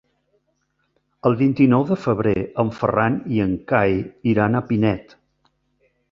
El vint-i-nou de febrer en Ferran i en Cai iran a Pinet.